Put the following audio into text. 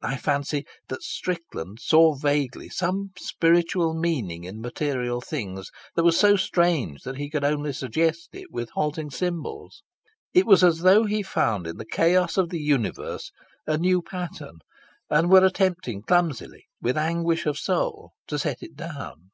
I fancy that Strickland saw vaguely some spiritual meaning in material things that was so strange that he could only suggest it with halting symbols. It was as though he found in the chaos of the universe a new pattern, and were attempting clumsily, with anguish of soul, to set it down.